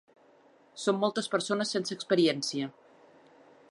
Som moltes persones sense experiència.